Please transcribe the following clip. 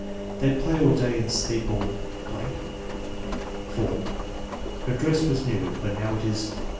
They play all day and sleep all — 4. Her dress was new, but now it is 5.